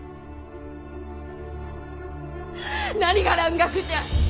何が蘭学じゃ！